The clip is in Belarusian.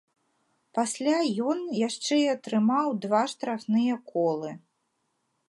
Пасля ён яшчэ і атрымаў два штрафныя колы.